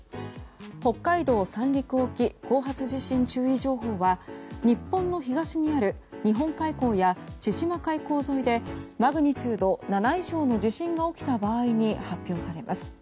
北海道・三陸沖後発地震注意情報は日本の東側にある日本海溝や千島海溝沿いでマグニチュード７以上の地震が起きた場合に発表されます。